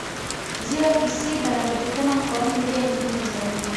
ziwa kisiba linapatikana mkoani mbeya nchini tanzania